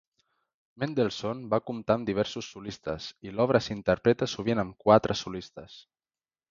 Mendelssohn va comptar amb diversos solistes i l'obra s'interpreta sovint amb quatre solistes.